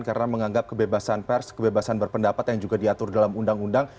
karena menganggap kebebasan pers kebebasan berpendapat yang juga diatur dalam undang undang